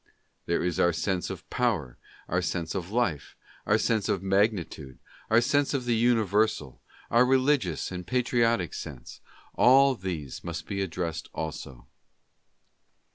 There is our sense of power, our sense of life, our sense of magnitude, our sense of the universal, our religious and patriotic sense — all these must be addressed also.